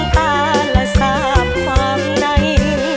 แต่ก่อนก็เราหาย